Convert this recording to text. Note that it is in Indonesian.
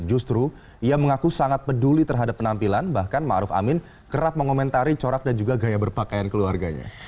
justru ia mengaku sangat peduli terhadap penampilan bahkan ⁇ maruf ⁇ amin kerap mengomentari corak dan juga gaya berpakaian keluarganya